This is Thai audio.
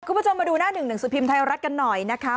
คุณผู้ชมมาดูหน้าหนึ่งหนังสือพิมพ์ไทยรัฐกันหน่อยนะคะ